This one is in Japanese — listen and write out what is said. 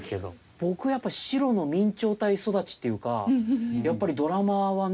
僕やっぱ白の明朝体育ちっていうかやっぱりドラマはね